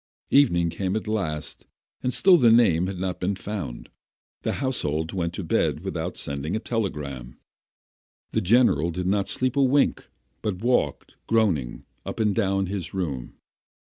Evening came at last, and still the name had not been found. The household went to bed without sending the telegram. The general did not sleep a wink, but walked, groan ing, up and down his room.